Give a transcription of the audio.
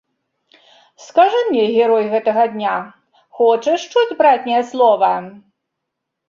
Скажы мне, герой гэтага дня, хочаш чуць братняе слова?